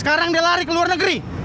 sekarang dia lari ke luar negeri